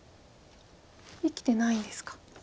生きてないんですか。